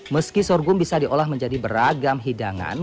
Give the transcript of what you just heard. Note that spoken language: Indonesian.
meski sorghum bisa diolah menjadi beragam hidangan